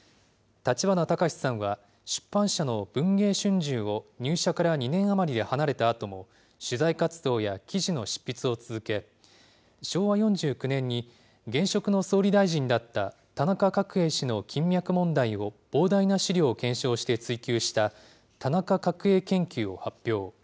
立花隆さんは、出版社の文藝春秋を入社から２年余りで離れたあとも、取材活動や記事の執筆を続け、昭和４９年に現職の総理大臣だった、田中角栄氏の金脈問題を膨大な資料を検証して追及した田中角栄研究を発表。